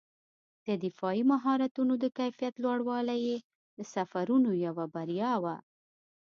د دفاعي مهارتونو د کیفیت لوړوالی یې د سفرونو یوه بریا وه.